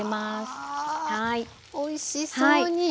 うわおいしそうに。